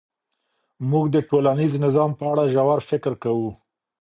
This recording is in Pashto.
موږ د ټولنیز نظام په اړه ژور فکر کوو.